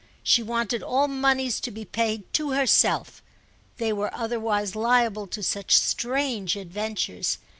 She wanted all moneys to be paid to herself: they were otherwise liable to such strange adventures.